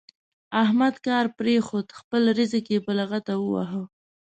احمد کار پرېښود؛ خپل زرق يې په لغته وواهه.